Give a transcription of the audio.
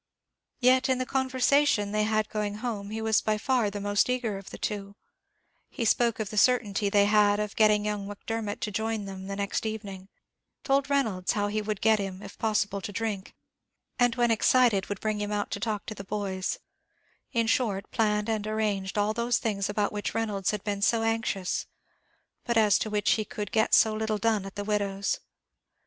Yet in the conversation they had going home he was by far the most eager of the two; he spoke of the certainty they had of getting young Macdermot to join them the next evening; told Reynolds how he would get him, if possible, to drink, and, when excited, would bring him out to talk to the boys; in short, planned and arranged all those things about which Reynolds had been so anxious but as to which he could get so little done at the widow's.